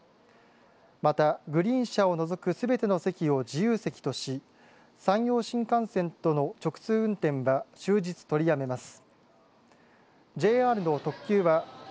また、グリーン車を除くすべての席を自由席とし山陽新幹線との直通運転は終日、取りやめます。